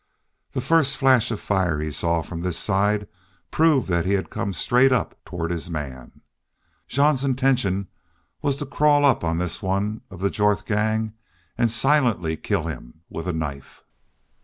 The first flash of fire he saw from this side proved that he had come straight up toward his man. Jean's intention was to crawl up on this one of the Jorth gang and silently kill him with a knife.